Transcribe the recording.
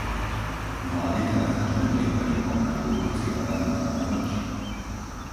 Vlády teda v každom prípade konajú, hoci Rada naďalej mlčí.